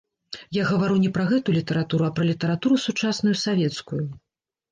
Я гавару не пра гэту літаратуру, а пра літаратуру сучасную савецкую.